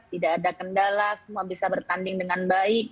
tidak ada kendala semua bisa bertanding dengan baik